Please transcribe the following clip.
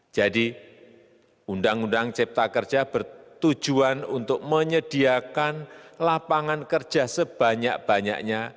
jadi undang undang cipta kerja bertujuan untuk menyediakan lapangan kerja sebanyak banyaknya